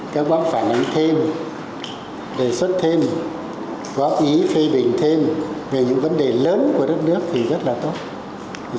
các bác phản ánh thêm đề xuất thêm góp ý phê bình thêm về những vấn đề lớn của đất nước thì rất là tốt